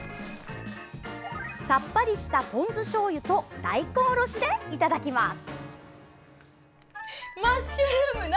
さっぱりしたポン酢しょうゆと大根おろしでいただきます。